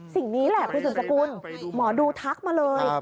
สิ่งนี้แหละคุณสุดสกุลหมอดูทักมาเลย